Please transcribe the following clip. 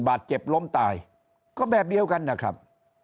บาดเจ็บล้มตายก็แบบเดียวกันนะครับ